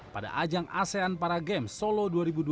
pada ajang asean para games solo dua ribu dua puluh